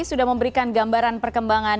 sudah memberikan gambaran perkembangan dua kali